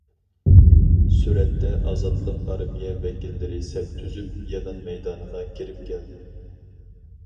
سۈرەتتە، ئازادلىق ئارمىيە ۋەكىللىرى سەپ تۈزۈپ يىغىن مەيدانىغا كىرىپ كەلدى.